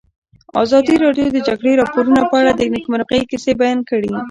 ازادي راډیو د د جګړې راپورونه په اړه د نېکمرغۍ کیسې بیان کړې.